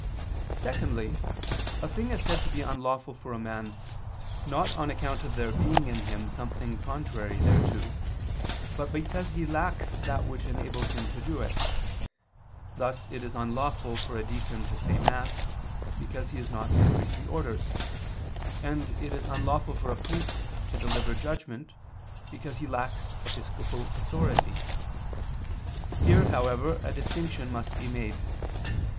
Secondly, a thing is said to be unlawful for a man, not on account of there being in him something contrary thereto, but because he lacks that which enables him to do it: thus it is unlawful for a deacon to say mass, because he is not in priestly orders; and it is unlawful for a priest to deliver judgment because he lacks the episcopal authority. Here, however, a distinction must be made.